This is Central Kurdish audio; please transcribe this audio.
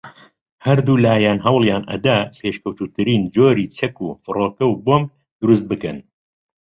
ھەردوولایان ھەوڵیان ئەدا پێشکەوتووترین جۆری چەک و فڕۆکەو بۆمب دروست بکەن